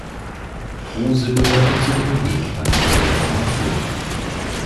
Kruse gehörte zu den Gegnern der Reformation.